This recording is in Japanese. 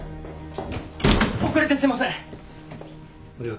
遅れてすいません！